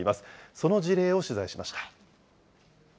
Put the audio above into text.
その事例を取材しました。